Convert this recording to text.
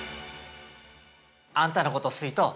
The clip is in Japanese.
◆あんたのこと「好いとう」